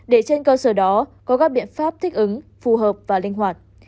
để trên cơ sở đó có các biện pháp thích ứng phù hợp và linh hoạt